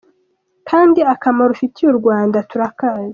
Kandi akamaro ufitiye u Rwanda turakazi.